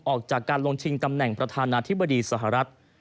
ออกจากการลงชิงตำแหน่งประธานาธิบดีสหรัฐ